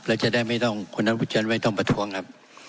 แล้วจะได้ไม่ต้องคุณนัทไม่ต้องประท้วงครับ